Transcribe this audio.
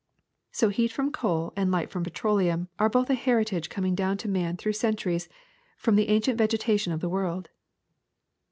So heat from coal and light from petroleum are both a heritage coming down to man through centuries from the ancient vegetation of the world.